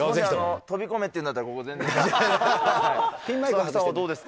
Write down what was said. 飛び込めって言うんだったら、ここ、どうですか？